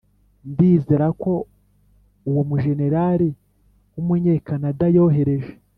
ndizera ko uwo mujenerali w'umunye kanada yohereje